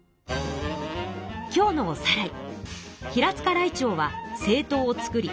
今日のおさらい。